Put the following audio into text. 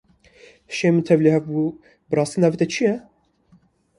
Hişê min tevlihev bû, bi rastî navê te çi ye?